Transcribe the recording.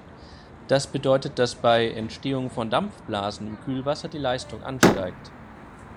Das bedeutet, dass bei Entstehung von Dampfblasen im Kühlwasser die Leistung ansteigt.